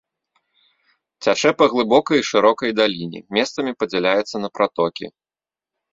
Цячэ па глыбокай і шырокай даліне, месцамі падзяляецца на пратокі.